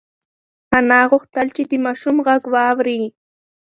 انا غوښتل چې د ماشوم غږ واوري.